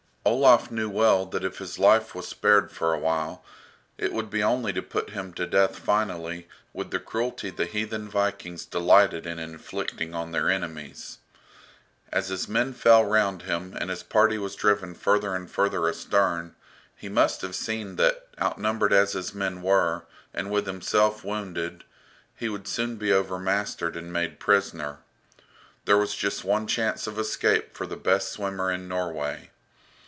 Olaf knew well that if his life was spared for a while it would be only to put him to death finally with the cruelty the heathen Vikings delighted in inflicting on their enemies. As his men fell round him and his party was driven further and further astern, he must have seen that, outnumbered as his men were, and with himself wounded, he would soon be overmastered and made prisoner. There was just one chance of escape for the best swimmer in Norway.